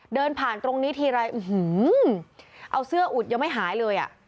เดินผ่านตรงนี้ทีไรเอาเสื้ออุดยังไม่หายเลยอ่ะ